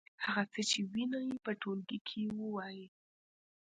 هغه څه چې وینئ په ټولګي کې ووایئ.